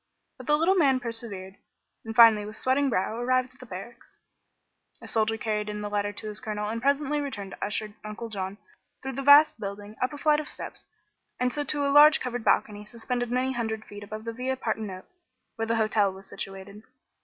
But the little man persevered, and finally with sweating brow arrived at the barracks. A soldier carried in the letter to his colonel and presently returned to usher Uncle John through the vast building, up a flight of steps, and so to a large covered balcony suspended many hundred feet above the Via Partenope, where the hotel was situated.